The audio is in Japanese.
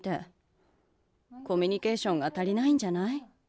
コミュニケーションが足りないんじゃない？